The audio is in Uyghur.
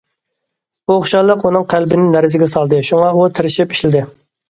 بۇ خۇشاللىق ئۇنىڭ قەلبىنى لەرزىگە سالدى، شۇڭا ئۇ تىرىشىپ ئىشلىدى.